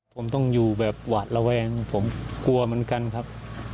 ผมต้องอยู่แบบหวาดระแวงผมกลัวเหมือนกันครับ